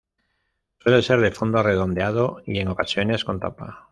Suele ser de fondo redondeado y, en ocasiones, con tapa.